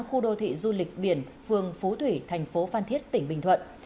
khu đô thị du lịch biển phường phú thủy thành phố phan thiết tỉnh bình thuận